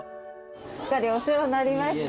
すっかりお世話になりました。